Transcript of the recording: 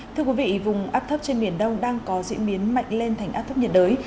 thưa quý vị vùng áp thấp trên biển đông đang có diễn biến mạnh lên thành áp thấp nhiệt đới